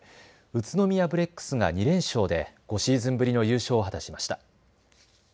宇都宮ブレックスが２連勝で５シーズンぶりの優勝を果たしました。